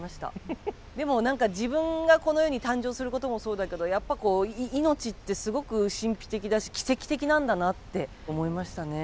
でも何か自分がこの世に誕生することもそうだけどやっぱこう命ってすごく神秘的だし奇跡的なんだなって思いましたね。